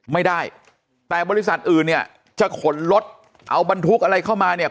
ไม่ได้แต่บริษัทอื่นเนี่ยจะขนรถเอาบรรทุกอะไรเข้ามาเนี่ย